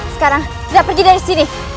sekarang sudah pergi dari sini